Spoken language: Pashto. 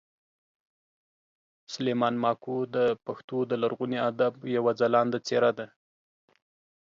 سلیمان ماکو د پښتو د لرغوني ادب یوه خلانده څېره ده